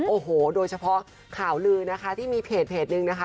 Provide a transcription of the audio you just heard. โอ้โหโดยเฉพาะข่าวลือนะคะที่มีเพจนึงนะคะ